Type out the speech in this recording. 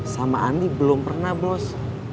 sama andi belum pernah bos